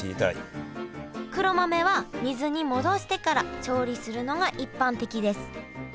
黒豆は水に戻してから調理するのが一般的です。